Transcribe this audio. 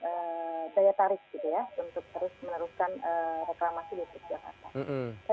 kemudian kita tahu bahwa sekali lagi revenue ini jadi salah satu yang daya tarik untuk terus meneruskan reklamasi di pusat jakarta